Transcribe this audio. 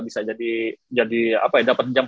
bisa jadi apa ya